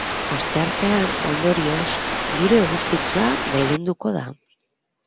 Asteartean, ondorioz, giro eguzkitsua gailenduko da.